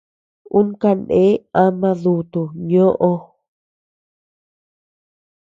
Uu kanee ama duutu ñoʼo.